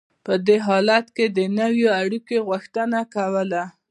دې حالت د نویو اړیکو غوښتنه کوله.